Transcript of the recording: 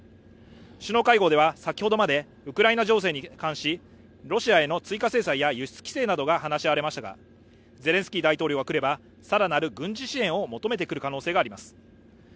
首脳会合では先ほどまでウクライナ情勢に関しロシアへの追加制裁や輸出規制などが話し合われましたがゼレンスキー大統領が来れば更なる軍事支援を求めてくる可能性があります。